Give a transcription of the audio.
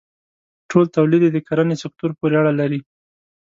ټول تولید یې د کرنې سکتور پورې اړه لري.